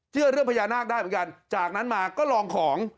เชื่อเรื่องพญานาคได้เหมือนกันจากนั้นมาก็ลองของ